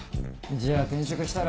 じゃあ転職したら？